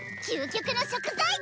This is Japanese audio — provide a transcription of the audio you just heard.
究極の食材！